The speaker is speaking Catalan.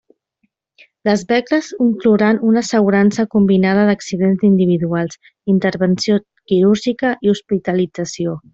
Les beques inclouran una assegurança combinada d'accidents individuals, intervenció quirúrgica i hospitalització.